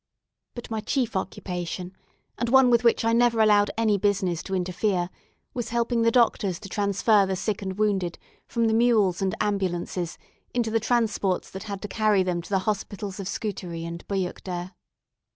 But my chief occupation, and one with which I never allowed any business to interfere, was helping the doctors to transfer the sick and wounded from the mules and ambulances into the transports that had to carry them to the hospitals of Scutari and Buyukdere.